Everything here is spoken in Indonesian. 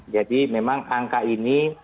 jadi memang angka ini